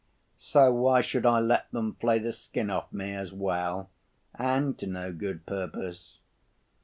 So why should I let them flay the skin off me as well, and to no good purpose?